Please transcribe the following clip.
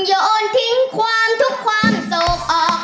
โยนทิ้งความทุกข์ความสุขออก